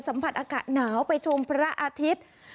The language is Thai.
สัมผัสอากาศหนาวไปชมพระอาทิตย์